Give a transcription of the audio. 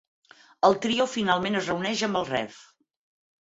El trio finalment es reuneix amb el Rev.